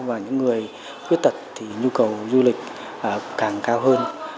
và những người khuyết tật thì nhu cầu du lịch càng cao hơn